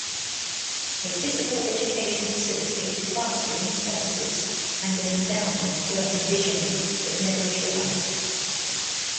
A physical education facility, classrooms, offices and an endowment were envisioned, but never realized.